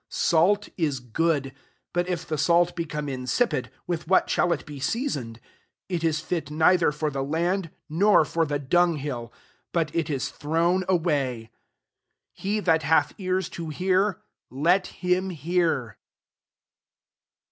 \ 54 Salt 18 good : but if the sah become insipid, with what Aall it be seasoned ? 85 It is ft neither for the land, nor for the dunghill ; but it is thrown away. He that hath ears to hear, let him hear."